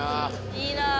いいなあ！